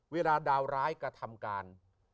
เวลาดาวร้ายกระทำการ